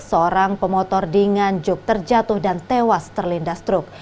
seorang pemotor di nganjuk terjatuh dan tewas terlindas truk